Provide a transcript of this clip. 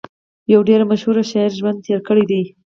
يو ډېر مشهور شاعر ژوند تېر کړی دی